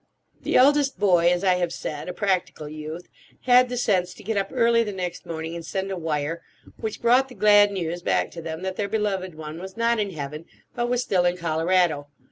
The eldest boy—as I have said, a practical youth—had the sense to get up early the next morning and send a wire, which brought the glad news back to them that their beloved one was not in heaven, but was still in Colorado.